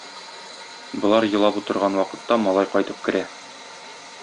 Болар елап утырган вакытта малай кайтып керә.